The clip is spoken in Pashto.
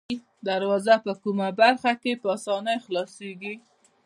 دروازه په کومه برخه کې په آسانۍ خلاصیږي؟